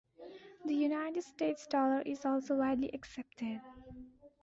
The United States dollar is also widely accepted.